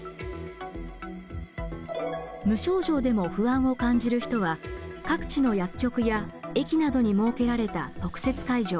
無症状でも不安を感じる人は各地の薬局や駅などに設けられた特設会場